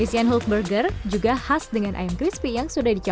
isian hulk burger juga khas dengan ayam crispy yang sudah dicampur